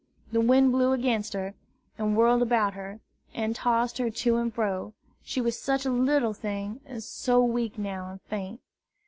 The wind blew against her, and whirled about her, and tossed her to and fro, she was such a little thing, and so weak now and faint.